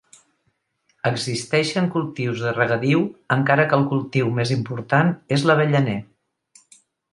Existeixen cultius de regadiu encara que el cultiu més important és l'avellaner.